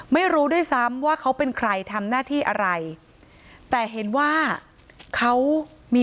ไม่รู้ด้วยซ้ำว่าเขาเป็นใครทำหน้าที่อะไรแต่เห็นว่าเขามี